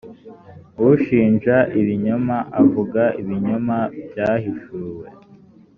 ushinja ibinyoma avuga ibinyoma byahishuwe.